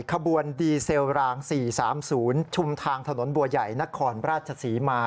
ขบวนดีเซลราง๔๓๐ชุมทางถนนบัวใหญ่นครราชศรีมา